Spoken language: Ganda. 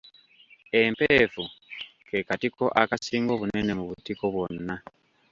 Empeefu kekatiko akasinga obunene mu butiko bwonna.